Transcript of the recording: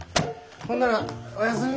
ほんならおやすみ。